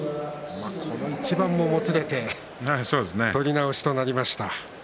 この一番も、もつれて取り直しとなりました。